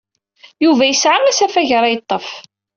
Yuba yesɛa asafag ara yeḍḍef.